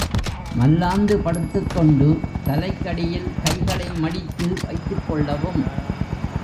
மல்லாந்து படுத்துக் கொண்டு தலைக்கடியில் கைகளை மடித்து வைத்துக் கொள்ளவும்.